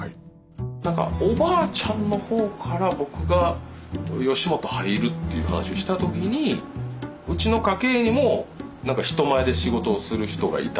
なんかおばあちゃんのほうから僕が吉本入るっていう話をした時にうちの家系にも人前で仕事をする人がいた。